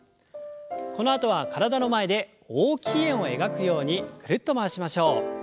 このあとは体の前で大きい円を描くようにぐるっと回しましょう。